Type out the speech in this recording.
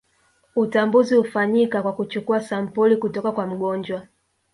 Utambuzi hufanyika kwa kuchukua sampuli kutoka kwa mgonjwa